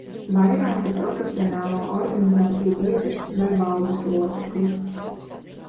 Vairāku profesionālo organizāciju biedrs vai valdes loceklis.